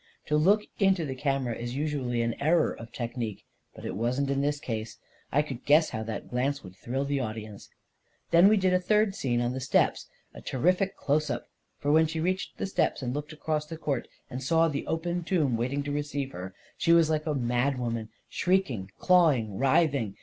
To look into the camera is usually an error of technique ; but it wasn't in this case. I could guess how that glance would thrill the audience ! Then we did a third scene on the steps — a ter rific close up; for when she reached the steps, and looked across the court, and saw the open tomb waiting to receive her, she was like a mad woman, shrieking, clawing, writhing